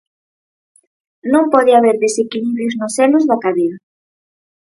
Non pode haber desequilibrios nos elos da cadea.